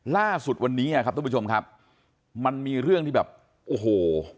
ล่าสุดวันนี้อ่ะครับทุกผู้ชมครับมันมีเรื่องที่แบบโอ้โห